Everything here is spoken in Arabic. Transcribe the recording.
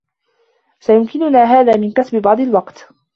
سيمكننا هذا من كسب بعض الوقت.